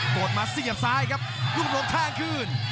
โตดมัดเสียบซ้ายครับลูกอำรวงข้างขึ้น